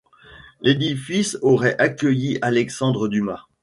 L'édifice aurait accueilli Alexandre Dumas.